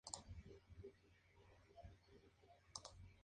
Pasando periódicamente controles de calidad.